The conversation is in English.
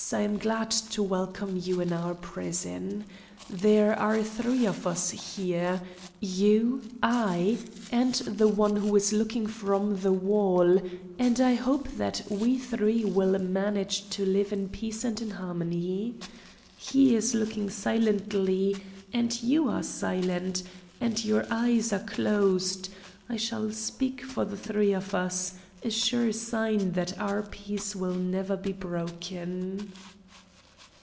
I am glad to welcome You in our prison. There are three of us here: You, I, and the one who is looking from the wall, and I hope that we three will manage to live in peace and in harmony. He is looking silently, and You are silent, and Your eyes are closed I shall speak for the three of us, a sure sign that our peace will never be broken."